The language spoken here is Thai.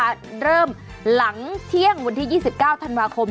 เริ่มหลังเที่ยงวันที่๒๙ธันวาคม